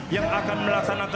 yang akan memperbaiki kondisi ini